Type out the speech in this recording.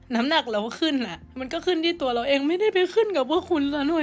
น้ำหนักเราก็ขึ้นอ่ะมันก็ขึ้นที่ตัวเราเองไม่ได้ไปขึ้นกับพวกคุณซะด้วย